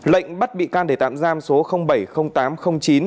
lệnh bắt bị can để tạm giam số bảy tám chín